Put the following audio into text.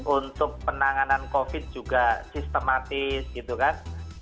untuk penanganan covid juga sistematis gitu kan